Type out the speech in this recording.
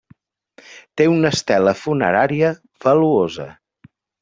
Té una estela funerària valuosa.